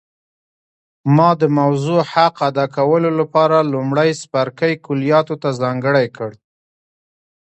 ما د موضوع حق ادا کولو لپاره لومړی څپرکی کلیاتو ته ځانګړی کړ